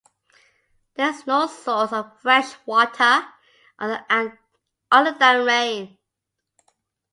There is no source of fresh water other than rain.